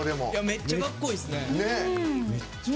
めっちゃかっこいいですね！